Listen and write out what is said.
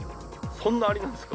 そんなアリなんですか？